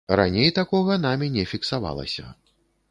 Раней такога намі не фіксавалася.